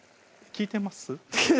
聞いてます